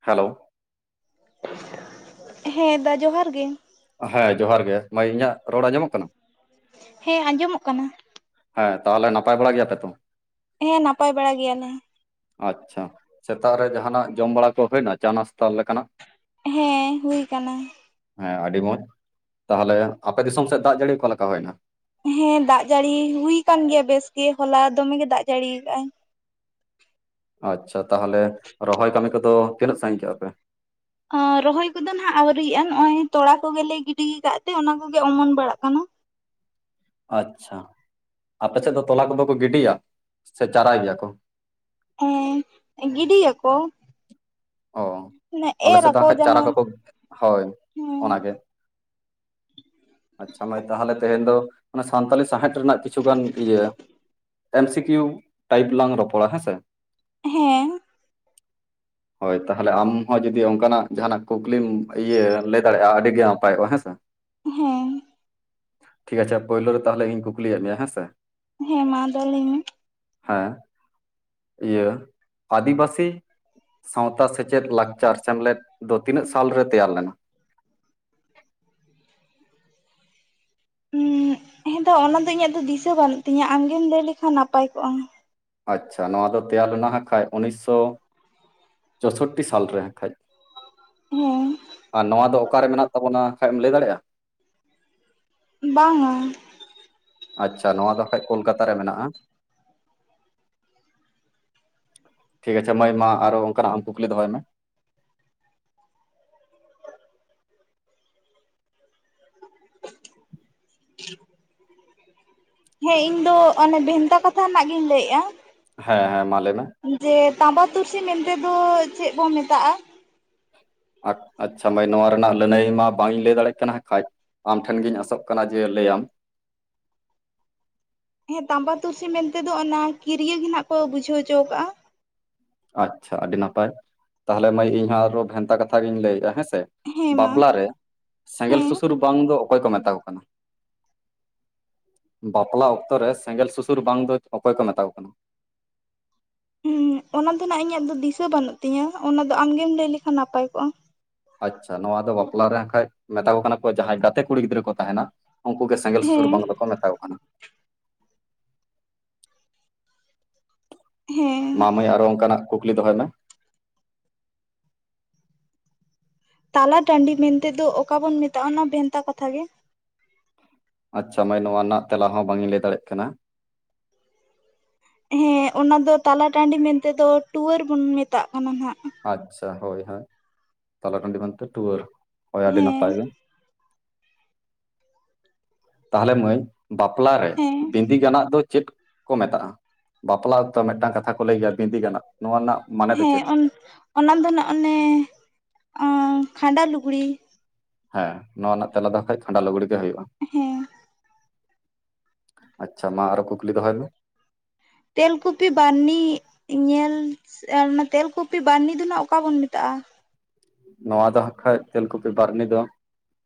Hello ᱦᱮᱸ ᱫᱟ ᱡᱚᱦᱟᱨ ᱜᱮ ᱦᱮᱸ ᱡᱚᱦᱟᱨ ᱜᱮ᱾ ᱢᱟᱹᱭ ᱤᱧᱟᱹᱜ ᱨᱚᱲ ᱟᱸᱡᱚᱢᱚᱜ ᱠᱟᱱᱟ? ᱦᱮᱸ ᱟᱸᱡᱚᱢᱚᱜ ᱠᱟᱱᱟ ᱾ ᱦᱮᱸ ᱛᱟᱦᱚᱞᱮ ᱱᱟᱯᱟᱭ ᱵᱟᱲᱟ ᱜᱮᱭᱟᱯᱮ ᱛᱚ? ᱦᱮᱸ ᱱᱟᱯᱟᱭ ᱵᱟᱲᱟ ᱜᱮᱭᱟᱞᱮ ᱾ ᱟᱪᱪᱷᱟ ᱥᱮᱛᱟᱜ ᱨᱮ ᱡᱟᱦᱟᱱᱟᱜ ᱡᱚᱢ ᱵᱟᱲᱟ ᱠᱚ ᱦᱩᱭᱱᱟ ᱪᱟ ᱱᱟᱥᱛᱟ ᱞᱮᱠᱟᱱᱟᱜ ᱦᱮᱸ ᱦᱩᱭ ᱟᱠᱟᱱᱟ ᱾ ᱦᱮᱸ ᱟᱹᱰᱤ ᱢᱚᱸᱡᱽ᱾ ᱛᱟᱦᱚᱞᱮ ᱟᱯᱮ ᱫᱤᱥᱚᱢ ᱥᱮᱫ ᱫᱟᱜ ᱡᱟᱹᱲᱤ ᱚᱠᱟ ᱞᱮᱠᱟ ᱦᱩᱭᱱᱟ? ᱦᱮᱸ ᱫᱟᱜ ᱡᱟᱹᱲᱤ ᱦᱩᱭ ᱟᱠᱟᱱ ᱜᱮᱭᱟ ᱵᱮᱥᱜᱮ᱾ ᱦᱚᱞᱟ ᱫᱚᱢᱮ ᱜᱮ ᱫᱟᱜ ᱡᱟᱹᱲᱤᱭ ᱠᱟᱜᱼᱟᱭ᱾ ᱟᱪᱪᱷᱟ ᱛᱟᱦᱚᱞᱮ ᱨᱚᱦᱚᱭ ᱠᱟᱹᱢᱤ ᱠᱚᱫᱚ ᱛᱤᱱᱟᱹᱜ ᱥᱟᱺᱜᱤᱧ ᱠᱟᱜᱼᱟ ᱯᱮ? ᱨᱚᱦᱚᱭ ᱠᱚᱫᱚ ᱱᱟᱦᱟᱜ ᱟᱹᱣᱨᱤᱭᱟᱜᱼᱟ ᱱᱚᱜ ᱚᱭ ᱛᱚᱲᱟ ᱠᱚᱜᱮᱞᱮ ᱜᱤᱰᱤᱭ ᱠᱟᱫ ᱛᱮ ᱚᱱᱟ ᱠᱚᱜᱮ ᱚᱢᱚᱱ ᱵᱟᱲᱟᱜ ᱠᱟᱱᱟ᱾ ᱟᱪᱪᱷᱟ ᱟᱯᱮ ᱥᱮᱫ ᱫᱚ ᱛᱚᱞᱟ ᱠᱚᱫᱚ ᱠᱚ ᱜᱤᱰᱤᱭᱟ ᱥᱮ ᱪᱟᱨᱟᱭ ᱜᱮᱭᱟ ᱠᱚ? ᱮᱸ ᱜᱤᱰᱤᱭᱟ ᱠᱚ᱾ ᱦᱚ ᱟᱞᱮ ᱮᱨ ᱥᱮᱫ ᱫᱚ ᱟᱠᱚ ᱦᱟᱜ ᱠᱷᱟᱡ ᱪᱟᱨᱟ ᱡᱟᱦᱟᱸ ᱠᱚᱠᱚ ᱦᱳᱭ ᱦᱮᱸ ᱚᱱᱟᱜᱮ᱾ ᱟᱪᱪᱷᱟ ᱢᱟᱹᱭ ᱛᱟᱦᱚᱞᱮ ᱛᱮᱦᱮᱧ ᱫᱚ ᱚᱱᱟ ᱥᱟᱱᱛᱟᱞᱤ ᱥᱟᱶᱸᱦᱮᱫ ᱨᱮᱱᱟᱜ ᱠᱤᱪᱷᱩ ᱜᱟᱱ ᱤᱭᱟᱹ ᱮᱢ ᱥᱤ ᱠᱤᱭᱩ ᱴᱟᱭᱤᱯ ᱞᱟᱝ ᱨᱚᱯᱚᱲᱟ ᱦᱮᱸ ᱥᱮ᱾ ᱦᱮᱸ᱾ ᱦᱳᱭ ᱛᱟᱦᱚᱞᱮ ᱟᱢ ᱦᱚᱸ ᱡᱩᱫᱤ ᱚᱱᱠᱟᱱᱟᱜ ᱡᱟᱦᱟᱱᱟᱜ ᱠᱩᱠᱞᱤᱢ ᱤᱭᱟᱹ ᱞᱟᱹᱭ ᱫᱟᱲᱮᱭᱟᱜᱼᱟ ᱟᱹᱰᱤᱜᱮ ᱱᱟᱯᱟᱭᱚᱜᱼᱟ ᱦᱮᱸᱥᱮ᱾ ᱦᱮᱸ᱾ ᱴᱷᱤᱠ ᱟᱪᱷᱮ ᱯᱳᱭᱞᱳ ᱨᱮ ᱛᱟᱦᱚᱞᱮ ᱤᱧ ᱠᱩᱠᱞᱤᱭᱮᱫ ᱢᱮᱭᱟᱮᱸ ᱦᱮᱸ ᱥᱮ? ᱦᱮᱸ ᱢᱟ ᱟᱫᱚ ᱞᱟᱹᱭ ᱢᱮ᱾ ᱦᱮᱸ ᱤᱭᱟᱹ ᱟᱫᱤᱵᱟᱹᱥᱤ ᱥᱟᱶᱛᱟ ᱥᱮᱪᱮᱫ ᱞᱟᱠᱪᱟᱨ ᱥᱮᱢᱞᱮᱫ ᱫᱚ ᱛᱤᱱᱟᱹᱜ ᱥᱟᱞᱨᱮ ᱛᱮᱭᱟᱨ ᱞᱮᱱᱟ? ᱦᱮᱸ ᱫᱚ ᱚᱱᱟ ᱫᱚ ᱤᱧᱟᱹᱜ ᱫᱚ ᱫᱤᱥᱟᱹ ᱵᱟᱹᱱᱩᱜ ᱛᱤᱧᱟᱹ ᱟᱢᱜᱮᱢ ᱞᱟᱹᱭ ᱞᱮᱠᱷᱟᱱ ᱱᱟᱯᱟᱭ ᱠᱚᱜᱼᱟ᱾ ᱟᱪᱪᱷᱟ ᱱᱚᱣᱟ ᱫᱚ ᱛᱮᱭᱟᱨ ᱞᱮᱱᱟ ᱦᱟᱸᱜ ᱠᱷᱟᱡ ᱩᱱᱤᱥᱥᱚ ᱪᱳᱥᱳᱴᱴᱤ ᱥᱟᱞᱨᱮ ᱦᱟᱸᱜ ᱠᱷᱟᱡ ᱦᱮᱸ ᱟᱨ ᱱᱚᱣᱟ ᱫᱚ ᱚᱠᱟᱨᱮ ᱢᱮᱱᱟᱜ ᱛᱟᱵᱚᱱᱟ? ᱠᱷᱟᱡ ᱨᱢ ᱞᱟᱹᱭ ᱫᱟᱲᱮᱭᱟᱜᱼᱟ? ᱵᱟᱝᱟ᱾ ᱟᱪᱪᱷᱟ ᱱᱚᱣᱟ ᱫᱚ ᱦᱟᱜ ᱠᱷᱚᱡᱽ ᱠᱳᱞᱠᱟᱛᱟ ᱨᱮ ᱢᱮᱱᱟᱜᱼᱟ᱾ ᱴᱷᱤᱠ ᱟᱪᱷᱮ ᱢᱟᱹᱭ ᱢᱟ ᱟᱨᱟ ᱚᱱᱠᱟ ᱱᱟᱜ ᱠᱩᱠᱞᱤ ᱫᱚᱦᱚᱭ ᱢᱮ᱾ [inaudible] ᱦᱮᱸ ᱤᱧ ᱫᱚ ᱚᱱᱮ ᱵᱷᱮᱱᱛᱟ ᱠᱟᱛᱷᱟ ᱨᱮᱱᱟᱜ ᱜᱤᱧ ᱞᱟᱹᱭᱮᱜᱼᱟ᱾ ᱦᱮᱸ ᱦᱮᱸ ᱢᱟ ᱞᱟᱹᱭ ᱢᱮ᱾ ᱡᱮ ᱛᱟᱸᱵᱟ ᱛᱩᱨᱥᱤ ᱢᱮᱱᱛᱮ ᱫᱚ ᱪᱮᱫ ᱵᱚᱱ ᱢᱮᱛᱟᱜᱼᱟ? ᱟᱪᱪᱷᱟ ᱢᱟᱹᱭ ᱱᱚᱣᱟ ᱨᱮᱱᱟᱜ ᱞᱟᱹᱱᱟᱹᱭ ᱢᱟ ᱵᱟᱝ ᱤᱧ ᱞᱟᱹᱭ ᱫᱟᱲᱮᱭᱟᱜ ᱠᱟᱱᱟ ᱦᱟᱸᱜ ᱠᱷᱟᱡ᱾ ᱟᱢ ᱴᱷᱮᱱ ᱜᱮᱧ ᱟᱥᱚᱜ ᱠᱟᱱᱟ ᱡᱮ ᱞᱟᱹᱭᱟᱢ᱾ ᱦᱮᱸ ᱛᱟᱢᱵᱟ ᱛᱩᱨᱥᱤ ᱢᱮᱱᱛᱮ ᱫᱚ ᱚᱱᱟ ᱠᱤᱨᱭᱟᱹ ᱜᱮ ᱱᱟᱜ ᱠᱚ ᱵᱩᱡᱷᱟᱹᱣ ᱦᱚᱪᱚ ᱟᱠᱟᱜᱼᱟ᱾ ᱟᱪᱪᱷᱟ ᱟᱹᱰᱤ ᱱᱟᱯᱟᱭ ᱛᱟᱦᱚᱞᱮ ᱢᱟᱹᱭ ᱤᱧ ᱦᱚᱸ ᱟᱨᱚ ᱵᱷᱮᱱᱛᱟ ᱠᱟᱛᱷᱟ ᱜᱤᱧ ᱞᱟᱹᱭᱮᱫᱼᱟ ᱦᱮᱸ ᱥᱮ᱾ ᱦᱮᱸ ᱢᱟ ᱵᱟᱯᱞᱟᱨᱮ ᱥᱮᱸᱜᱮᱸᱞ ᱦᱮᱸ ᱥᱩᱥᱩᱨ ᱵᱟᱝ ᱫᱚ ᱚᱠᱚᱭ ᱠᱚ ᱢᱮᱛᱟ ᱠᱚ ᱠᱟᱱᱟ? ᱵᱟᱯᱞᱟ ᱚᱠᱛᱚ ᱨᱮ ᱥᱮᱸᱜᱮᱸᱞ ᱥᱩᱥᱩᱨ ᱵᱟᱝ ᱫᱚ ᱚᱠᱚᱭ ᱠᱚ ᱢᱮᱛᱟ ᱠᱚ ᱠᱟᱱᱟ? ᱦᱮᱸ ᱚᱱᱟ ᱫᱚ ᱱᱟᱜ ᱤᱧᱟᱹᱜ ᱫᱚ ᱫᱤᱥᱟᱹ ᱵᱟᱹᱱᱩᱜ ᱛᱤᱧᱟᱹ᱾ ᱚᱱᱟ ᱫᱚ ᱟᱢᱜᱮᱢ ᱞᱟᱹᱭ ᱞᱮᱠᱷᱟᱱ ᱱᱟᱯᱟᱭ ᱠᱚᱜᱼᱟ᱾ ᱟᱪᱪᱷᱟ ᱱᱚᱣᱟ ᱫᱚ ᱵᱟᱯᱞᱟ ᱨᱮ ᱦᱟᱸᱜ ᱠᱷᱟᱡ ᱢᱮᱛᱟ ᱠᱚ ᱠᱟᱱᱟ ᱠᱚ ᱡᱟᱦᱟᱸᱭ ᱜᱟᱛᱮ ᱠᱩᱲᱤ ᱜᱤᱫᱽᱨᱟᱹ ᱠᱚ ᱛᱟᱦᱮᱱᱟ᱾ ᱩᱱᱠᱩ ᱜᱮ ᱥᱮᱸᱜᱮᱸᱞ ᱥᱩᱥᱩᱨ ᱦᱮᱸ ᱵᱟᱝ ᱫᱚᱠᱚ ᱢᱮᱛᱟ ᱠᱚ ᱠᱟᱱᱟ᱾ ᱦᱮᱸ᱾ ᱢᱟ ᱢᱟᱹᱭ ᱟᱨᱚ ᱚᱱᱠᱟᱱᱟᱜ ᱠᱩᱠᱞᱤ ᱫᱚᱦᱚᱭ ᱢᱮ᱾ ᱛᱟᱞᱟ ᱴᱟᱺᱰᱤ ᱢᱮᱱᱛᱮ ᱫᱚ ᱚᱠᱟ ᱵᱚᱱ ᱢᱮᱛᱟᱜᱼᱟ ᱚᱱᱟ ᱵᱷᱮᱱᱛᱟ ᱠᱟᱛᱷᱟᱜ ᱜᱮ᱾ ᱟᱪᱪᱷᱟ ᱢᱟᱹᱭ ᱱᱚᱣᱟ ᱨᱮᱱᱟᱜ ᱛᱮᱞᱟ ᱦᱚᱸ ᱵᱟᱝ ᱤᱧ ᱞᱟᱹᱭ ᱫᱟᱲᱮᱜ ᱠᱟᱱᱟ᱾ ᱦᱮᱸ ᱚᱱᱟ ᱫᱚ ᱛᱟᱞᱟ ᱴᱟᱺᱰᱤ ᱢᱮᱱᱛᱮ ᱫᱚ ᱴᱩᱣᱟᱹᱨ ᱵᱚᱱ ᱢᱮᱛᱟᱜ ᱠᱟᱱᱟ ᱦᱟᱸᱜ᱾ ᱟᱪᱪᱷᱟ ᱦᱳᱭ ᱦᱳᱭ ᱛᱟᱞᱟ ᱴᱟᱺᱰᱤ ᱢᱮᱱᱛᱮ ᱴᱩᱣᱟᱹᱨ ᱦᱳᱭ ᱟᱹᱰᱤ ᱦᱮᱸ ᱱᱟᱯᱟᱭ ᱜᱮ᱾ ᱛᱟᱦᱚᱞᱮ ᱢᱟᱹᱭ ᱵᱟᱯᱞᱟ ᱨᱮ ᱦᱮᱸ ᱵᱤᱸᱫᱤ ᱜᱟᱱᱟᱜ ᱫᱚ ᱪᱮᱫ? ᱠᱚ ᱢᱮᱛᱟᱜᱼᱟ ᱵᱟᱯᱞᱟ ᱚᱠᱛᱚ ᱢᱤᱫᱴᱟᱝ ᱠᱟᱛᱷᱟ ᱠᱚ ᱞᱟᱹᱭ ᱜᱮᱭᱟ ᱵᱤᱸᱫᱤ ᱜᱟᱱᱟᱜ ᱱᱚᱣᱟ ᱨᱮᱱᱟᱜ ᱢᱟᱱᱮ ᱫᱚ ᱪᱮᱫ? ᱦᱮᱸ ᱚᱱᱟ ᱫᱚ ᱱᱟᱜ ᱚᱱᱮ ᱠᱷᱟᱸᱰᱟ ᱞᱩᱜᱽᱲᱤ᱾ ᱦᱮᱸ ᱱᱚᱣᱟ ᱨᱮᱱᱟᱜ ᱛᱮᱞᱟ ᱫᱚ ᱦᱟᱜ ᱠᱷᱟᱡ ᱠᱷᱟᱸᱰᱟ ᱞᱩᱜᱽᱲᱤ ᱜᱮ ᱦᱩᱭᱩᱜᱼᱟ᱾ ᱦᱮᱸ ᱟᱪᱪᱷᱟ ᱢᱟ ᱟᱨᱚ ᱠᱩᱠᱞᱤ ᱫᱚᱦᱚᱭ ᱢᱮ᱾ ᱛᱮᱞᱠᱩᱯᱤ ᱵᱟᱨᱱᱤ ᱧᱮᱞ ᱟᱨ ᱚᱱᱟ ᱛᱮᱞᱠᱩᱯᱤ ᱵᱟᱨᱱᱤ ᱫᱚ ᱱᱟᱜ ᱚᱠᱟ ᱵᱚᱱ ᱢᱮᱛᱟᱜᱼᱟ? ᱱᱚᱣᱟ ᱫᱚ ᱦᱟᱸᱜ ᱠᱷᱟᱡ ᱛᱮᱞᱠᱩᱯᱤ ᱵᱟᱨᱱᱤ ᱫᱚ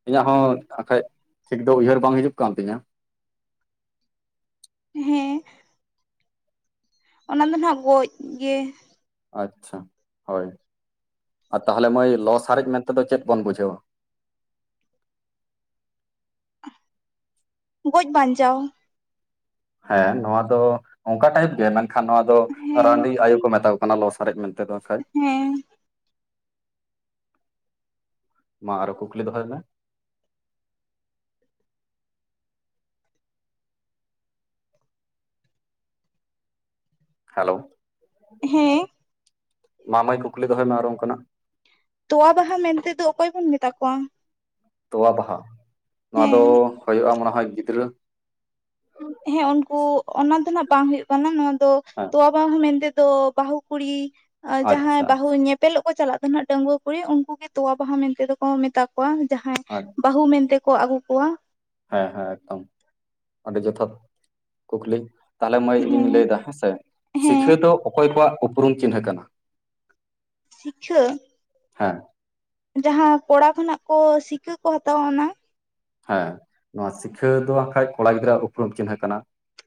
ᱤᱧᱟᱹᱜ ᱦᱚᱸ ᱦᱟᱜ ᱠᱷᱟᱡ ᱴᱷᱤᱠ ᱫᱚ ᱩᱭᱦᱟᱹᱨ ᱵᱟᱝ ᱦᱤᱡᱩᱜ ᱠᱟᱱ ᱛᱤᱧᱟᱹ᱾ ᱦᱮᱸ ᱚᱱᱟ ᱫᱚ ᱱᱟᱜ ᱜᱚᱡ ᱜᱮ ᱟᱪᱪᱷᱟ ᱦᱳᱭ ᱟᱨ ᱛᱟᱦᱚᱞᱮ ᱢᱟᱹᱭ ᱞᱚᱥᱟᱨᱮᱡ ᱢᱮᱱᱛᱮᱫᱚ ᱪᱮᱫ ᱵᱚᱱ ᱵᱩᱡᱷᱟᱹᱣᱟ? ᱜᱚᱡ ᱵᱟᱧᱪᱟᱣ ᱦᱮᱸ ᱱᱚᱣᱟ ᱫᱚ ᱚᱱᱠᱟ ᱴᱟᱭᱤᱯ ᱜᱮ ᱢᱮᱱᱠᱷᱟᱱ ᱱᱚᱣᱟ ᱫᱚ ᱦᱮᱸ ᱨᱟᱱᱰᱤ ᱟᱭᱩ ᱠᱚ ᱢᱮᱛᱟ ᱠᱚ ᱠᱟᱱᱟ ᱞᱚᱥᱟᱨᱮᱡ ᱢᱮᱱᱛᱮᱫᱚ ᱟᱠᱷᱟᱡ ᱦᱮᱸ ᱢᱟ ᱟᱨᱚ ᱠᱩᱠᱞᱤ ᱫᱚᱦᱚᱨ ᱢᱮ ᱦᱮᱞᱳ ᱦᱮᱸ ᱢᱟ ᱢᱟ. ᱭ ᱠᱩᱠᱞᱤ ᱫᱚᱦᱚᱭ ᱢᱮ ᱟᱨᱚ ᱚᱱᱠᱟᱱᱟᱜ ᱛᱚᱣᱟ ᱵᱟᱦᱟ ᱢᱮᱱᱛᱮᱫᱚ ᱚᱠᱚᱭ ᱵᱚᱱ ᱢᱮᱛᱟ ᱠᱚᱣᱟ ᱛᱚᱣᱟ ᱵᱟᱦᱟ ᱱᱚᱣᱟ ᱫᱚ ᱦᱮᱸ ᱦᱩᱭᱩᱜᱼᱟ ᱢᱚᱱᱮ ᱦᱚᱭ ᱜᱤᱫᱽᱨᱟᱹ ᱦᱮᱸ ᱩᱱᱠᱩ ᱚᱱᱟ ᱫᱚ ᱱᱟᱜ ᱵᱟᱝ ᱦᱩᱭᱩᱜ ᱠᱟᱱᱟ ᱱᱚᱣᱟ ᱫᱚ ᱦᱮᱸ ᱛᱚᱣᱟᱵᱟ ᱦᱚᱸ ᱢᱮᱱᱛᱮᱫᱚ ᱵᱟᱹᱦᱩ ᱠᱩᱲᱤ ᱡᱟᱦᱟᱸᱭ ᱟᱪᱪᱷᱟ ᱵᱟᱦᱩ ᱧᱮᱯᱮᱞᱚᱜ ᱠᱚ ᱪᱟᱞᱟᱜ ᱠᱟᱱᱟᱜ ᱰᱟᱺᱜᱩᱣᱟᱹ ᱠᱩᱲᱤ ᱩᱱᱠᱩ ᱜᱮ ᱛᱚᱣᱟ ᱵᱟᱦᱟ ᱢᱮᱱᱛᱮ ᱫᱚ ᱠᱚ ᱢᱮᱛᱟ ᱠᱚ ᱡᱟᱦᱟᱸᱭ ᱟᱪ ᱵᱟᱹᱦᱩ ᱢᱮᱱᱛᱮᱠᱚ ᱟᱹᱜᱩ ᱠᱚᱣᱟ ᱦᱮᱸ ᱦᱮᱸ ᱮᱠᱫᱚᱢ ᱟᱹᱰᱤ ᱡᱚᱛᱷᱟᱛ ᱠᱩᱠᱞᱤ ᱛᱟᱦᱚᱞᱮ ᱢᱟᱹᱭ ᱤᱧ ᱦᱮᱸ ᱞᱟᱹᱭᱫᱟ ᱦᱮᱸᱥᱮ ᱦᱮᱸ ᱥᱤᱠᱷᱟᱹ ᱫᱚ ᱚᱠᱚᱭ ᱠᱚᱣᱟᱜ ᱩᱯᱨᱩᱢ ᱪᱤᱱᱦᱟᱹ ᱠᱟᱱᱟ ᱥᱤᱠᱷᱟᱹ ᱦᱮᱸ ᱡᱟᱦᱟᱸ ᱠᱚᱲᱟ ᱠᱷᱚᱱᱟᱜ ᱠᱚ ᱥᱤᱠᱷᱟᱹ ᱠᱚ ᱦᱟᱛᱟᱣᱟ ᱚᱱᱟ ᱦᱮᱸ ᱱᱚᱣᱟ ᱥᱤᱠᱷᱟᱹ ᱫᱚ ᱟᱠᱷᱟᱡ ᱠᱚᱲᱟ ᱜᱤᱫᱽᱨᱟᱹᱣᱟᱜ ᱩᱯᱨᱩᱢ ᱪᱤᱱᱦᱟᱹ ᱠᱟᱱᱟ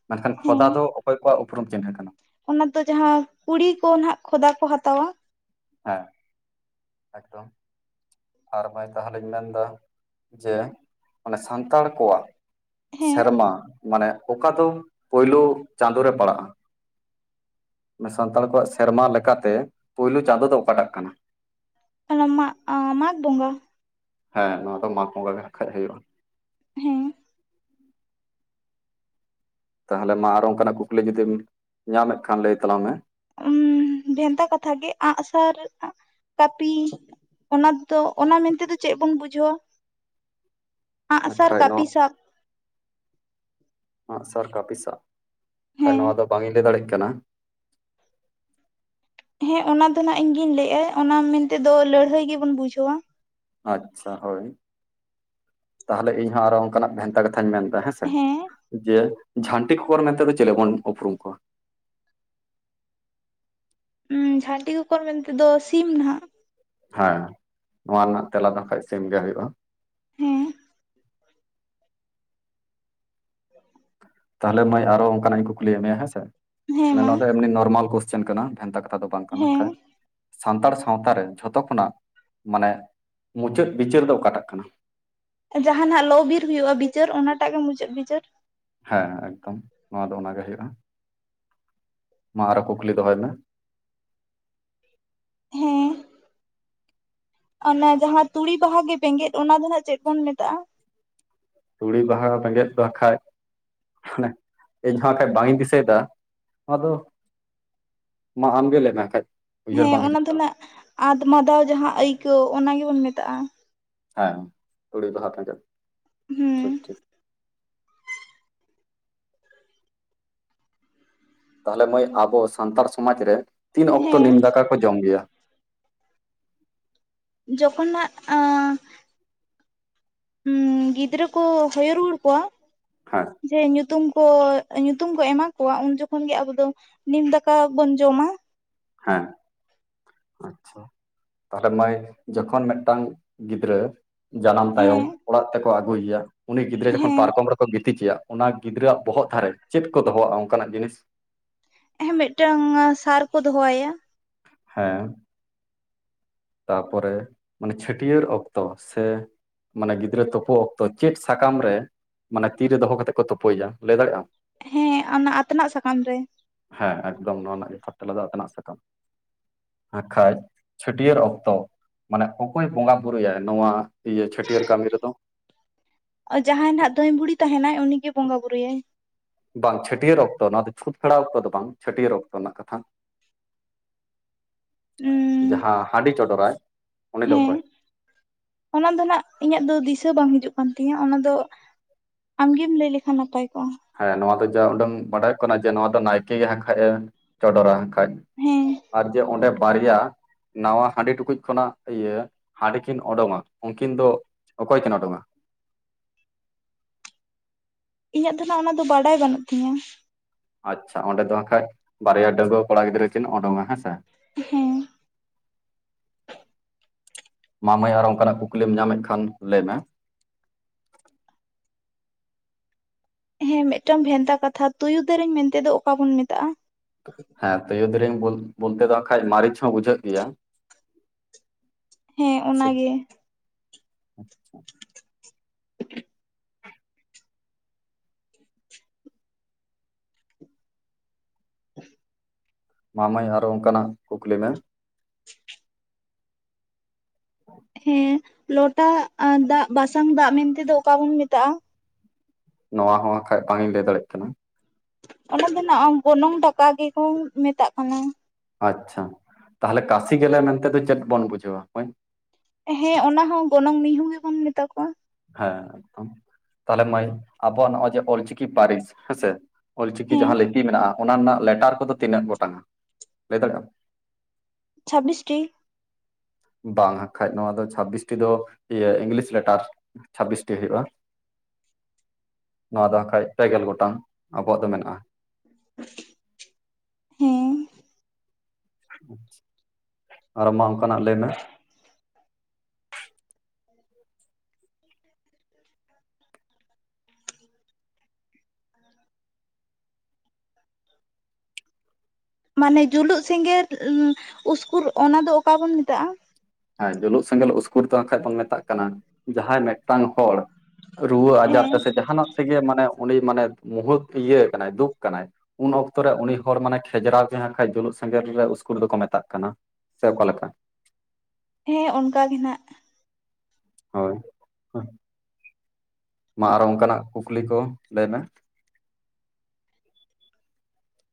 ᱢᱮᱱᱠᱷᱟᱱ ᱦᱮᱸ ᱠᱷᱚᱫᱟ ᱫᱚ ᱚᱠᱚᱭ ᱠᱚᱣᱟᱜ ᱩᱯᱨᱩᱢ ᱪᱤᱱᱦᱟᱹ ᱠᱟᱱᱟ? ᱚᱱᱟ ᱫᱚ ᱡᱟᱦᱟᱸᱭ ᱠᱩᱲᱤ ᱠᱚ ᱱᱟᱦᱟᱜ ᱠᱷᱚᱫᱟ ᱠᱚ ᱦᱟᱛᱟᱣᱟ ᱦᱮᱸ ᱮᱠᱫᱚᱢ ᱟᱨ ᱢᱟ. ᱭ ᱛᱟᱦᱮᱞᱮ ᱢᱮᱱᱫᱚ ᱡᱮ ᱚᱱᱮ ᱥᱟᱱᱛᱟᱲ ᱠᱚᱣᱟᱜ ᱦᱮᱸ ᱥᱮᱨᱢᱟ ᱢᱟᱱᱮ ᱚᱠᱟ ᱫᱚ ᱯᱳᱭᱞᱳ ᱪᱟᱸᱫᱳ ᱨᱮ ᱯᱟᱲᱟᱜᱼᱟ ᱥᱟᱱᱛᱟᱲ ᱠᱚᱣᱟᱜ ᱥᱮᱨᱢᱟ ᱞᱮᱠᱟᱛᱮ ᱯᱩᱭᱞᱳ ᱪᱟᱸᱫᱚ ᱫᱚ ᱚᱠᱟᱴᱟᱜ ᱠᱟᱱᱟ ᱦᱮᱞᱳ ᱢᱟ ᱢᱟᱜ ᱵᱚᱸᱜᱟ ᱦᱮᱸ ᱱᱚᱣᱟ ᱫᱚ ᱢᱟᱜᱽ ᱵᱚᱸᱜᱟ ᱜᱮ ᱟᱠᱷᱟᱡ ᱦᱩᱭᱩᱜᱼᱟ ᱦᱮᱸ ᱛᱟᱦᱚᱞᱮ ᱢᱟ ᱟᱨᱚ ᱚᱱᱠᱟᱱᱟᱜ ᱠᱩᱠᱞᱤ ᱡᱩᱫᱤᱢ ᱧᱟᱢᱮᱫ ᱠᱷᱟᱱ ᱞᱟᱹᱭ ᱛᱟᱞᱟᱝ ᱢᱮ ᱵᱷᱮᱱᱛᱟ ᱠᱟᱛᱷᱟ ᱜᱮ ᱟᱜ ᱥᱟᱨ ᱠᱟᱹᱯᱤ ᱚᱱᱟ ᱫᱚ ᱚᱱᱟ ᱢᱮᱱᱛᱮᱫᱚ ᱪᱮᱫ ᱵᱚᱱ ᱵᱩᱡᱷᱟᱹᱣᱟ? ᱟᱸᱜᱼᱥᱟᱨ ᱟᱠᱷᱟᱡ ᱱᱚ ᱠᱟᱹᱯᱤ ᱥᱟᱵ ᱟᱜ ᱥᱟᱨ ᱠᱟᱯᱤᱥᱟᱜ ᱠᱷᱟᱱ ᱦᱮᱸ ᱱᱚᱣᱟ ᱫᱚ ᱵᱟᱝ ᱤᱧ ᱞᱟᱹᱭ ᱫᱟᱲᱮᱭᱟᱜ ᱠᱟᱱᱟ᱾ ᱦᱮᱸ ᱚᱱᱟ ᱫᱚ ᱱᱟᱜ ᱤᱧᱜᱤᱧ ᱞᱟᱹᱭᱮᱜᱼᱟ ᱚᱱᱟ ᱢᱮᱱᱛᱮᱫᱚ ᱞᱟᱹᱲᱦᱟᱹᱭ ᱜᱮᱵᱚᱱ ᱵᱩᱡᱷᱟᱹᱣᱟ᱾ ᱟᱪᱪᱷᱟ ᱦᱳᱭ, ᱛᱟᱦᱚᱞᱮ ᱤᱧ ᱦᱚᱸᱚᱸ ᱟᱨᱚ ᱚᱱᱠᱟᱱᱟᱜ ᱵᱷᱮᱱᱛᱟ ᱠᱟᱛᱷᱟᱧ ᱢᱮᱱ ᱦᱮᱸᱥᱮ ᱦᱮᱸ ᱡᱮ ᱡᱷᱟᱱᱴᱤ ᱠᱳᱠᱳᱨ ᱢᱮᱱᱛᱮ ᱫᱚᱚ ᱪᱮᱫᱮ ᱵᱚᱱ ᱩᱯᱨᱩᱢ ᱠᱚᱣᱟ? ᱡᱷᱟᱹᱴᱤ ᱠᱚᱠᱚᱨ ᱢᱮᱱᱛᱮ ᱫᱚ ᱥᱤᱢ ᱱᱟᱦᱟᱜ ᱦᱮᱸ ᱱᱚᱣᱟ ᱨᱮᱱᱟᱜ ᱛᱮᱞᱟ ᱫᱚ ᱟᱠᱷᱟᱡ ᱥᱤᱢ ᱜᱮ ᱦᱩᱭᱩᱜᱼᱟ᱾ ᱦᱮᱸ ᱛᱟᱦᱚᱞᱮ ᱢᱟᱹᱭ ᱟᱨᱚ ᱚᱱᱠᱟᱱᱟᱜ ᱤᱧ ᱠᱩᱩᱞᱤᱭᱮᱫ ᱢᱮᱭᱟ ᱦᱮᱸᱥᱮ ᱦᱮᱸ ᱢᱟᱱᱮ ᱢᱟ ᱱᱚᱣᱟ ᱫᱚ ᱮᱢᱱᱤ ᱱᱚᱨᱢᱟᱞ ᱥᱳᱥ ᱪᱮᱱ ᱠᱟᱱᱟ ᱵᱷᱮᱱᱛᱟ ᱠᱟᱛᱷᱟ ᱫᱚ ᱵᱟᱝ ᱠᱟᱱᱟ ᱦᱮᱸ ᱟᱷᱟᱡ ᱥᱟᱱᱛᱟᱲ ᱥᱟᱶᱛᱟ ᱨᱮ ᱡᱷᱚᱛᱚ ᱠᱷᱚᱱᱟᱜ ᱢᱟᱱᱮ ᱢᱩᱪᱟᱹᱫ ᱵᱤᱪᱟᱹᱨ ᱫᱚ ᱚᱠᱟᱴᱟᱜ ᱠᱟᱱᱟ? ᱡᱟᱦᱟᱱᱟᱜ ᱞᱚ ᱵᱤᱨ ᱦᱩᱭᱩᱜᱼᱟ ᱵᱤᱪᱟᱹᱨ ᱚᱱᱟᱴᱟᱜ ᱜᱮ ᱢᱩᱪᱟᱹᱫ ᱵᱤᱪᱟᱹᱨ᱾ ᱦᱮᱸ ᱮᱠᱫᱚᱢ ᱱᱚᱣᱟ ᱫᱚ ᱚᱱᱟ ᱜᱮ ᱦᱩᱭᱩᱜᱼᱟ ᱢᱟ ᱟᱨᱦᱚ ᱠᱩᱠᱞᱤ ᱫᱚᱦᱚᱭ ᱢᱮ [inaudible] ᱚᱱᱮ ᱡᱟᱦᱟᱸ ᱛᱩᱲᱤ ᱵᱟᱦᱟ ᱜᱮ ᱵᱮᱸᱜᱮᱫ ᱚᱱᱟ ᱫᱚ ᱱᱟᱜ ᱪᱮᱫ ᱵᱚᱱ ᱢᱮᱛᱟᱜᱼᱟ? ᱛᱩᱲᱤ ᱵᱟᱦᱟ ᱵᱮᱸᱜᱮᱫ ᱫᱚ ᱦᱟᱸᱜᱠᱷᱟᱡ ᱦᱟᱱᱮ ᱤᱧ ᱦᱚᱸ ᱦᱟᱸᱠᱷᱟᱡ ᱵᱟᱝ ᱤᱧ ᱫᱤᱥᱟᱹᱭᱮᱫᱟ ᱱᱚᱣᱟ ᱫᱚ ᱟᱢ ᱜᱮ ᱞᱟᱹᱭ ᱢᱮ ᱦᱟᱸᱠᱷᱟᱡ ᱦᱮᱸ ᱚᱱᱟ ᱫᱚ ᱱᱟᱜ ᱟᱫᱸ-ᱢᱟᱫᱟᱣ ᱡᱟᱦᱟᱸ ᱟᱹᱭᱠᱟᱹᱣ ᱚᱱᱟ ᱜᱮᱵᱚᱱ ᱢᱮᱛᱟᱜᱼᱟ᱾ ᱦᱮᱸ ᱛᱩᱲᱤ ᱵᱟᱦᱟ ᱵᱮᱸᱜᱮᱫ ᱴᱷᱤᱠ ᱦᱩᱸ ᱴᱷᱤᱠ ᱛᱟᱦᱚᱞᱮ ᱢᱟᱹᱭ ᱟᱵᱚ ᱥᱟᱱᱛᱟᱲ ᱥᱚᱢᱟᱡᱽ ᱨᱮ ᱛᱤᱱ ᱚᱠᱛᱚ ᱦᱮᱸ ᱱᱤᱢ ᱫᱟᱠᱟ ᱠᱚ ᱡᱚᱢ ᱜᱮᱭᱟ ᱡᱚᱠᱷᱚᱱ ᱱᱟᱦᱟᱜ ᱟᱼᱼ ᱦᱸ ᱜᱤᱫᱽᱨᱟᱹ ᱠᱚ ᱦᱚᱭᱚ ᱨᱩᱣᱟᱹᱲ ᱠᱚᱣᱟ ᱦᱮᱸ ᱡᱮ ᱧᱩᱛᱩᱢ ᱠᱚ ᱧᱩᱛᱩᱢ ᱠᱚ ᱮᱢᱟ ᱠᱚᱣᱟ ᱩᱱ ᱡᱚᱠᱷᱚᱱ ᱜᱮ ᱟᱵᱚ ᱫᱚ ᱱᱤᱢ ᱫᱟᱠᱟ ᱵᱚᱱ ᱡᱚᱢᱟ ᱦᱮᱸ ᱟᱪᱪᱷᱟ ᱛᱟᱦᱞᱮ ᱢᱟᱹᱭ ᱡᱚᱠᱷᱚᱱ ᱢᱤᱫᱴᱟᱝ ᱜᱤᱫᱽᱨᱟᱹ ᱡᱟᱱᱟᱢ ᱛᱟᱭᱚᱢ ᱦᱮᱸ ᱚᱲᱟᱜ ᱛᱮᱠᱚ ᱟᱹᱜᱩᱭᱮᱭᱟ ᱩᱱᱤ ᱜᱤᱫᱽᱨᱟᱹ ᱡᱚᱠᱷᱚᱱ ᱦᱮᱸ ᱯᱟᱨᱠᱚᱢ ᱨᱮᱚᱢ ᱜᱤ ᱛᱤᱠᱮᱭᱟ ᱚᱱᱟ ᱜᱤᱫᱽᱨᱟᱹᱣᱟᱜ ᱵᱚᱦᱚᱜ ᱫᱷᱟᱨᱮ ᱪᱮᱫ ᱠᱚ ᱫᱚᱦᱚᱣᱟᱜᱼᱟ ᱚᱱᱠᱟᱱᱟᱜ ᱡᱤᱱᱤᱥ ᱦᱮᱸ ᱢᱤᱫᱴᱟᱝ ᱥᱟᱨ ᱠᱚ ᱫᱚᱦᱚ ᱟᱭᱟ ᱾ ᱦᱮᱸ ᱛᱟᱨᱯᱚᱨᱮ ᱢᱟᱱᱮ ᱪᱷᱟᱹᱴᱭᱟᱹᱨ ᱚᱠᱛᱚ ᱥᱮ ᱢᱟᱱᱮ ᱜᱤᱫᱽᱨᱟᱹ ᱛᱳᱯᱩ ᱚᱠᱛᱚ ᱪᱮᱫ ᱥᱟᱠᱟᱢ ᱨᱮ ᱢᱟᱱᱮ ᱛᱤ ᱨᱮ ᱫᱚᱦᱚ ᱠᱟᱛᱮᱫ ᱠᱚ ᱛᱩᱯᱩᱭᱭᱟ ᱞᱟᱹᱭ ᱫᱟᱲᱮᱭᱟᱜᱼᱟᱢ ᱦᱮᱸ ᱚᱱᱟ ᱟᱛᱱᱟᱜ ᱥᱟᱠᱟᱢ ᱨᱮ᱾ ᱦᱮᱸ ᱮᱠᱫᱚᱢ ᱱᱚᱣᱟ ᱨᱮᱱᱟᱜ ᱡᱚᱛᱷᱟᱛ ᱛᱮᱞᱟ ᱫᱚ ᱟᱛᱱᱟᱜ ᱥᱟᱠᱟᱢ ᱦᱟᱸᱜ ᱠᱷᱟᱡ ᱪᱷᱟᱹᱴᱭᱟᱹᱨ ᱚᱠ ᱛᱚ ᱢᱟᱱᱮ ᱚᱠᱚᱭ ᱵᱚᱸᱜᱟ ᱵᱩᱨᱩᱭᱟᱭ ᱱᱚᱣᱟ ᱤᱭᱟᱹ ᱪᱷᱟᱹᱴᱭᱟᱹᱨ ᱠᱟᱹᱢᱤ ᱨᱮᱫᱚ? ᱡᱟᱦᱟᱸᱭ ᱱᱟᱜ ᱫᱷᱟᱹᱭ ᱵᱩᱲᱦᱤ ᱛᱟᱦᱮᱱᱟᱭ ᱩᱱᱤᱜ ᱜᱮ ᱵᱚᱸᱜᱟ ᱵᱩᱨᱩᱭᱟᱭ ᱾ ᱵᱟᱝ ᱪᱷᱟᱹᱴᱭᱟᱹᱨ ᱚᱠᱛᱚ ᱱᱚᱣᱟ ᱫᱚ ᱪᱷᱩᱛ ᱯᱷᱮᱲᱟᱣ ᱚᱠᱛᱚ ᱫᱚ ᱵᱟᱝ ᱪᱷᱟᱹᱴᱭᱟᱹᱨ ᱚᱠᱛᱚ ᱨᱮᱱᱟᱜ ᱠᱟᱛᱷᱟ ᱩᱸ ᱡᱟᱦᱟᱸ ᱦᱟᱺᱰᱤ ᱪᱚᱰᱚᱨᱟᱭ ᱩᱱᱤ ᱫᱚ ᱦᱮᱸ ᱚᱠᱚᱭ? ᱚᱱᱟ ᱫᱚ ᱱᱟᱦᱟᱜ ᱤᱧᱟᱹᱜ ᱫᱚ ᱫᱤᱥᱟᱹ ᱵᱟᱝ ᱦᱤᱡᱩᱜ ᱠᱟᱱ ᱛᱤᱧᱟᱹ ᱚᱱᱟ ᱫᱚ ᱟᱢ ᱜᱮᱢ ᱞᱟᱹᱭ ᱞᱮᱠᱷᱟᱱ ᱱᱟᱯᱟᱭ ᱠᱚᱜᱼᱟ ᱦᱮᱸ ᱱᱚᱣᱟ ᱫᱚ ᱡᱟ ᱩᱰᱟᱹᱝ ᱵᱟᱰᱟᱭᱚᱜ ᱠᱟᱱᱟ ᱡᱮ ᱱᱚᱣᱟ ᱫᱚ ᱱᱟᱭᱠᱮᱜᱮ ᱦᱟᱸᱠᱷᱟᱡ ᱮ ᱪᱚᱰᱚᱨᱟ ᱾ ᱠᱷᱟᱡ ᱦᱮᱸ ᱟᱨ ᱡᱮ ᱚᱸᱰᱮ ᱵᱟᱨᱭᱟ ᱱᱟᱶᱣᱟ ᱦᱟᱺᱰᱤ ᱴᱩᱠᱩᱡ ᱠᱷᱚᱱᱟᱜ ᱤᱭᱟᱹ ᱦᱟᱺᱰᱤ ᱠᱤᱱ ᱚᱸᱰᱩᱝᱼᱟ ᱩᱱᱠᱤᱱ ᱫᱚ ᱚᱠᱚᱭ ᱠᱤᱱ ᱚᱰᱩᱝᱼᱟ? ᱤᱧᱟᱹᱜ ᱫᱚ ᱱᱟᱦᱜ ᱚᱱᱟ ᱫᱚ ᱵᱟᱰᱟᱭ ᱵᱟᱹᱱᱩᱜ ᱛᱤᱧᱟᱹ ᱟᱪᱪᱷᱟ ᱚᱸᱰᱮ ᱫᱚ ᱦᱟᱠᱷᱟᱡ ᱵᱟᱨᱭᱟ ᱰᱟᱹᱣᱟᱹ ᱠᱚᱲᱟ ᱜᱤᱫᱽᱨᱟᱹ ᱞᱤᱱ ᱩᱰᱩᱝᱼᱟ ᱦᱮᱸ ᱥᱮ ᱦᱮᱸ ᱢᱟ ᱢᱟᱹᱭ ᱟᱨ ᱚᱱᱠᱟᱱᱟᱜ ᱠᱩᱠᱞᱤᱢ ᱧᱟᱢᱮᱫ ᱠᱷᱟᱱ ᱞᱟᱹᱭ ᱢᱮ ᱦᱮᱸ ᱢᱤᱫᱴᱟᱝ ᱵᱷᱮᱱᱛᱟ ᱠᱟᱛᱷᱟ ᱛᱩᱭᱩ ᱫᱮᱨᱮᱧ ᱢᱮᱱᱛᱮᱫ ᱫᱚ ᱚᱠᱟ ᱵᱚᱱ ᱢᱮᱛᱟᱜᱼᱟ? ᱦᱮᱸ ᱛᱩᱭᱩ ᱫᱨᱮᱝ ᱵᱚᱞᱛᱮ ᱫᱚ ᱦᱟᱸᱠᱷᱟᱡ ᱢᱟᱹᱨᱤᱪ ᱦᱚᱸ ᱵᱩᱡᱷᱟᱹᱜ ᱜᱮᱭᱟ ᱦᱮᱸ ᱥᱮ ᱚᱱᱟᱜᱮ ᱦ [inaudible] ᱢᱟ ᱢᱟᱹᱭ ᱟᱨᱚ ᱚᱱᱠᱟᱱᱟᱜ ᱠᱩᱠᱞᱤ ᱢᱮ ᱦᱮᱸ ᱞᱚᱴᱟ ᱫᱟᱜ ᱵᱟᱥᱟᱝ ᱫᱟᱜ ᱢᱮᱱᱛᱮᱫᱚ ᱚᱠᱟ ᱵᱚᱱ ᱢᱮᱛᱟᱜᱼᱟ? ᱱᱚᱣᱟ ᱦᱚᱸ ᱦᱸᱟᱠᱷᱟᱡ ᱵᱟᱝ ᱤᱧ ᱞᱟᱹᱭ ᱫᱟᱲᱮᱭᱟᱜ ᱠᱟᱱᱟ ᱚᱱᱟ ᱫᱚ ᱱᱟᱜ ᱜᱚᱱᱚᱝ ᱴᱟᱠᱟ ᱜᱮᱠᱚ ᱢᱮᱛᱟᱜ ᱠᱟᱱᱟ ᱟᱪᱪᱷᱟ ᱛᱟᱦᱚᱞᱮ ᱠᱟᱥᱤ ᱜᱮᱞᱮ ᱢᱮᱱᱛᱮ ᱫᱚ ᱪᱮᱫ ᱵᱚᱱ ᱵᱩᱡᱷᱟᱹᱣᱟ ᱢᱟᱹᱭ ᱦᱮᱸ ᱚᱱᱟ ᱦᱚᱸ ᱜᱚᱱᱚᱝ ᱢᱤᱦᱩ ᱦᱚ ᱵᱚᱱ ᱢᱮᱛᱟ ᱠᱚᱣᱟ ᱦᱮᱸ ᱮᱠᱫᱚᱢ ᱛᱟᱦᱚᱞᱮ ᱢᱟᱹᱭ ᱟᱵᱚᱣᱟᱜ ᱱᱚᱜᱼᱚᱭ ᱡᱮ ᱚᱞᱪᱤᱠᱤ ᱯᱟᱹᱨᱤᱥ ᱦᱮᱸᱥᱮ ᱚᱞ ᱪᱤᱠᱤ ᱦᱮᱸ ᱡᱟᱦᱟᱸ ᱞᱤᱯᱤ ᱢᱮᱱᱟᱜᱼᱟ ᱚᱱᱟ ᱨᱮᱱᱟᱜ ᱞᱮᱴᱟᱨ ᱠᱚᱫᱚ ᱛᱤᱱᱟᱹᱜ ᱜᱚᱴᱟᱝᱼᱟ ᱞᱟᱹᱭ ᱫᱟᱲᱮᱭᱟᱜ ᱟᱢ ᱪᱷᱟᱵᱵᱤᱥ ᱴᱤ ᱵᱟᱝ ᱦᱟᱠᱷᱟᱡ ᱱᱚᱹᱣᱟ ᱫᱚ ᱪᱷᱟᱵᱤᱥᱴᱤ ᱫᱚ ᱤᱭᱟᱹ ᱤᱝᱞᱤᱥ ᱞᱮᱴᱟᱨ ᱪᱷᱟᱵᱤᱥᱴᱤ ᱦᱩᱭᱩᱜᱼᱟ ᱱᱚᱣᱟᱹ ᱫᱚ ᱦᱟᱠᱷᱟᱡ ᱯᱮᱹᱜᱮᱞ ᱜᱚᱴᱟᱝ ᱟᱵᱚᱣᱟᱼᱜ ᱫᱚ ᱢᱮᱱᱟᱜᱼᱟ ᱦᱮᱸ ᱟᱨ ᱢᱟ ᱚᱵᱠᱟᱱᱟᱜ ᱞᱟᱹᱭ ᱢᱮ [inaudible] ᱦᱩᱸ [inaudible] [inaudible] ᱢᱟᱹᱱᱮ ᱡᱩᱞᱩᱜ ᱥᱮᱸᱜᱮᱞ ᱩᱥᱠᱩᱨ ᱚᱱᱟ ᱫᱚ ᱚᱠᱟ‌ ᱵᱚᱱ ᱢᱮᱛ ᱛᱟᱜᱼᱟ ᱮᱸ ᱡᱩᱞᱩᱜ ᱥᱮᱸᱜᱮᱞ ᱩᱥᱠᱩᱨ ᱫᱚ ᱠᱷᱟᱱ ᱵᱚᱱ ᱢᱮᱛᱟᱼᱜ ᱠᱟᱱᱟ ᱡᱟᱦᱟᱸᱭ ᱢᱤᱫᱴᱟᱝ ᱦᱚᱲ ᱨᱩᱣᱟᱹ ᱟᱡᱟᱨ ᱦᱮᱸ ᱛᱮᱥᱮ ᱡᱟᱦᱟᱱᱟᱼᱜ ᱛᱮ ᱜᱮ ᱢᱟᱱᱮ ᱩᱱᱤ ᱢᱟᱱᱮ ᱢᱩᱦᱩᱛ ᱤᱭᱟᱹ ᱠᱟᱱᱟᱼᱭ ᱫᱩᱠ ᱠᱟᱱᱟᱭ ᱩᱱ ᱚᱠᱛᱚ ᱨᱮ ᱩᱱᱤ ᱦᱚᱲ ᱢᱟᱱᱮ ᱠᱷᱮᱡᱽᱨᱟᱼᱣ ᱛᱟᱦᱮᱸ ᱠᱷᱟᱡ ᱡᱩᱞᱩᱜ ᱥᱮᱸᱜᱮᱞ ᱨᱮ ᱩᱥᱠᱩᱨ ᱫᱚᱠᱚ ᱢᱮᱛᱟᱼᱜ ᱠᱟᱱᱟ ᱥᱮ ᱚᱠᱟᱞᱮᱠᱟ ᱦᱮᱸ ᱚᱱᱠᱟ ᱜᱮ ᱱᱟᱜ ᱦᱳᱭ ᱢᱟ ᱟᱨᱚ ᱚᱱᱠᱟᱱᱟᱜ ᱠᱩᱠᱞᱤ ᱠᱚ ᱞᱟᱹᱭ ᱢᱮ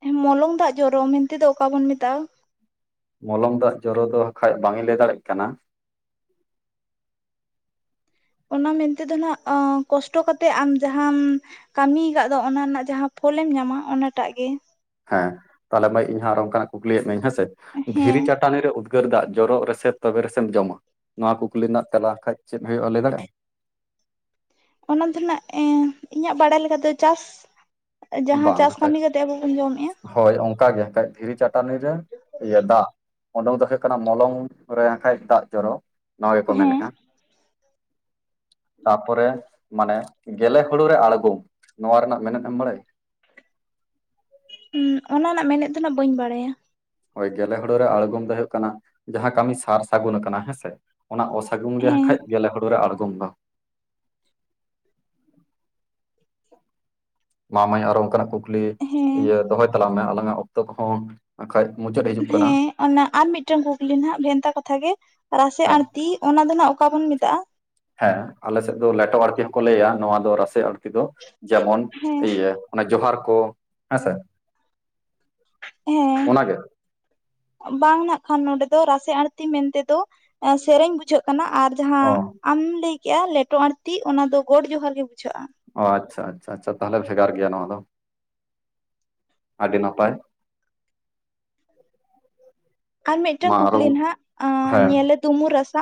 ᱮᱸ ᱢᱚᱞᱚᱝ ᱫᱟᱜ ᱡᱚᱨᱚ ᱢᱮᱱᱛᱮᱫ ᱫᱚ ᱚᱠᱟ ᱵᱚᱱ ᱢᱮᱛᱟᱜᱼᱟ ᱢᱚᱞᱚᱝ ᱫᱟᱜ ᱡᱚᱨᱚ ᱫᱚ ᱠᱷᱟᱡ ᱵᱟᱝᱤᱧ ᱞᱟᱹᱭ ᱫᱟᱲᱭᱟᱼᱜ ᱠᱟᱱᱟ ᱚᱱᱟ ᱢᱮᱱᱛᱮ ᱫᱚ ᱱᱟᱜ ᱠᱚᱥᱴᱚ ᱠᱟ ᱠᱟᱛᱮᱼᱜ ᱟᱢ ᱡᱟᱦᱟᱸᱟᱢ ᱠᱟᱹᱢᱤᱭ ᱟᱠᱟᱫ ᱫᱚ ᱚᱱᱟ ᱨᱮᱱᱟᱼᱜ ᱡᱟᱦᱟᱸ ᱯᱷᱚᱞᱮᱢ ᱧᱟᱢᱟ ᱚᱱᱟᱴᱟᱜ ᱜᱮ ᱦᱮᱸ ᱛᱟᱦᱚᱞᱮ ᱢᱟᱹᱭ ᱤᱧᱦᱚᱸ ᱟᱨ ᱚᱱᱠᱟᱱᱟᱜ ᱠᱩᱠᱞᱤᱭᱮᱫ ᱢᱤᱭᱟᱹᱧ ᱦᱮᱸᱥᱮ ᱦᱮᱸ ᱫᱷᱤᱨᱤ ᱠᱟᱴ ᱪᱟᱹᱴᱟᱞᱤ ᱨᱮ ᱩᱫᱽᱜᱟᱹᱨ ᱫᱟᱜ ᱡᱚᱨᱚᱜ ᱨᱮᱥᱮ ᱛᱚᱵᱮ ᱨᱮᱥᱮᱢ ᱡᱚᱢᱟ ᱱᱚᱣᱟ ᱠᱩᱠᱞᱤ ᱨᱮᱱᱟᱼᱜ ᱛᱮᱞᱟ ᱠᱷᱟᱱ ᱪᱮᱫ ᱦᱩᱭᱩᱜᱼᱟ ᱞᱟᱹᱭ ᱫᱟᱲᱮᱭᱟᱜᱼᱟ ᱚᱱᱟ ᱛᱮᱱᱟᱜ ᱮᱸ ᱤᱧᱟᱹᱜ ᱵᱟᱲᱟᱭ ᱞᱮᱠᱟ ᱛᱮ ᱪᱟᱥ ᱡᱟᱦᱟᱸ ᱪᱟᱥ ᱠᱟᱹᱢᱤ ᱠᱟᱛᱮᱼᱜ ᱟᱵᱚᱵᱚᱱ ᱡᱚᱢᱮᱫᱼᱟ ᱦᱳᱭᱸ ᱚᱱᱠᱟ ᱜᱮ ᱠᱷᱟᱡ ᱫᱷᱤᱨᱤ ᱪᱟᱴᱟᱱᱤᱨ ᱨᱮ ᱤᱭᱟᱹ ᱫᱟᱜ [unintelligible] ᱫᱚ ᱦᱩᱭᱩᱜ ᱠᱟᱱᱟ ᱢᱚᱞᱚᱝ ᱨᱮᱠᱷᱟᱡ ᱫᱟᱜ ᱡᱚᱨᱚ ᱱᱚᱣᱟ ᱜᱮ ᱠᱚ ᱦᱮᱸ ᱢᱮᱱᱮᱫᱼᱟ [inaudible] ᱛᱟᱯᱚᱨᱮ ᱢᱟᱱᱮ ᱜᱮᱞᱮ ᱦᱩᱲᱩ ᱨᱮ ᱟᱬᱜᱚᱢ ᱱᱚᱣᱟ ᱨᱮᱱᱟᱜ ᱢᱮᱱᱮᱫ ᱮᱢ ᱵᱟᱲᱟᱭᱟ [inaudible] ᱦᱩᱸ ᱚᱱᱟ ᱨᱮᱱᱟᱜ ᱢᱮᱱᱮᱫ ᱫᱚ ᱱᱟᱜ ᱵᱟᱹᱧ ᱵᱟᱹᱲᱟᱭᱼᱟ ᱦᱳᱭᱸ ᱜᱮᱞᱮ ᱦᱳᱲᱳ ᱨᱮ ᱟᱬᱜᱚᱢ ᱫᱚ ᱦᱩᱭᱩᱜ ᱠᱟᱱᱟ ᱡᱟᱦᱟᱸ ᱠᱟᱹᱢᱤ ᱥᱟᱨ ᱥᱟᱹᱜᱩᱱ ᱟᱼᱠᱟᱱᱟ ᱦᱮᱸᱥᱮ ᱚᱱᱟ ᱚᱥᱟᱹᱜᱩᱱ ᱜᱮ ᱦᱮᱸ ᱠᱷᱟᱡ ᱜᱮᱹᱞᱮ ᱦᱩᱲᱩ ᱨᱮ ᱟᱬᱜᱚᱢ ᱫᱚ ᱢᱟᱢᱟᱹᱭ ᱟᱨᱚ ᱚᱱᱠᱟᱱᱟᱜ ᱠᱩᱠᱞᱤ ᱦᱮᱸ ᱤᱭᱟᱹ ᱫᱚᱦᱚᱼᱭ ᱛᱟᱞᱟᱝ ᱢᱮ ᱟᱞᱟᱝᱟᱜ ᱚᱠᱛᱚ ᱠᱚᱦᱚᱸ ᱟᱠᱷᱟᱡ ᱢᱩᱪᱟᱹᱫ ᱦᱤᱡᱩᱜ ᱠᱟᱱᱟ ᱦᱮᱸ ᱚᱱᱟ ᱟᱨ ᱢᱤᱫᱴᱟᱝ ᱠᱩᱠᱞᱤ ᱱᱟᱦᱟᱜ ᱵᱷᱮᱱᱛᱟ ᱠᱟᱛᱷᱟᱜ ᱜᱮ ᱨᱟᱥᱮ ᱦᱮᱸ ᱟᱲᱛᱤ ᱚᱱᱟ ᱫᱚ ᱱᱟᱜ ᱚᱠᱟ ᱵᱚᱱ ᱢᱮᱛᱟᱜᱼᱟ ᱦᱮᱸ ᱟᱞᱮ ᱥᱮᱫ ᱫᱚ ᱞᱮᱴᱚ ᱟᱲᱛᱤ ᱦᱚᱸᱠᱚ ᱞᱟᱹᱭᱟ ᱱᱚᱹᱣᱟ ᱫᱚ ᱨᱟᱥᱮ ᱟᱲᱛᱩ ᱫᱚ ᱡᱮᱢᱚᱱ ᱦᱮᱸ ᱤᱭᱟᱹ ᱚᱱᱮ ᱡᱚᱦᱟᱨ ᱠᱚ ᱦᱮᱸ ᱥᱮ ᱦᱮᱸ ᱚᱱᱟᱜᱮ ᱵᱟᱝ ᱱᱟᱜ ᱠᱷᱟᱱ ᱱᱚᱸᱰᱮ ᱫᱚ ᱨᱟᱥᱮ ᱟᱲᱛᱤ ᱢᱮᱱᱛᱮᱫᱚ ᱥᱮᱨᱮᱧ ᱵᱩᱡᱷᱟᱹᱜ ᱠᱟᱱᱟ ᱟᱨ ᱡᱟᱦᱟᱸ ᱚ ᱟᱢ ᱞᱟᱹᱭ ᱠᱮᱜᱼᱟ ᱞᱮᱴᱚ ᱟᱲᱛᱤ ᱚᱱᱟ ᱫᱚ ᱜᱚᱰ ᱡᱚᱦᱟᱨ ᱜᱮ ᱵᱩᱡᱷᱟᱹᱜᱼᱟ ᱚ ᱟᱪᱷᱟ ᱟᱪᱷᱟ ᱟᱷᱟ ᱛᱟᱦᱚᱞᱮ ᱵᱷᱮᱜᱟᱨ ᱜᱮᱼᱭᱟ ᱱᱚᱣᱟ ᱫᱚ ᱟᱹᱰᱤ ᱱᱟᱯᱟᱭ ᱟᱨ ᱢᱤᱫᱴᱟᱝ ᱢᱟ ᱟᱨᱚ ᱠᱩᱠᱞᱤ ᱱᱟᱦᱟᱼᱜ ᱦᱮᱸ ᱧᱮᱞᱮ ᱫᱩᱢᱩᱨ ᱨᱟᱥᱟ